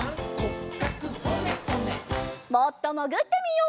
もっともぐってみよう。